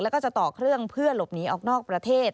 แล้วก็จะต่อเครื่องเพื่อหลบหนีออกนอกประเทศ